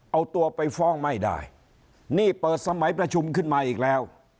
เอาตัวไปฟ้องไม่ได้นี่เปิดสมัยประชุมขึ้นมาอีกแล้ว